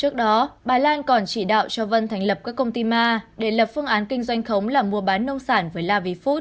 trước đó bà lan còn chỉ đạo cho vân thành lập các công ty ma để lập phương án kinh doanh khống là mua bán nông sản với lavifood